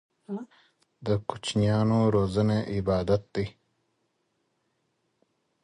د کوچنيانو روزنه عبادت دی.